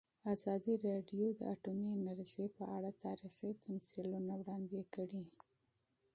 ازادي راډیو د اټومي انرژي په اړه تاریخي تمثیلونه وړاندې کړي.